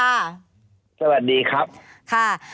สวัสดีครับ